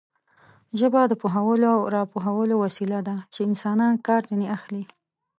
ژبه د پوهولو او راپوهولو وسیله ده چې انسانان کار ځنې اخلي.